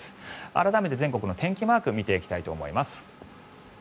改めて全国の天気マークを見ていきたいと思います。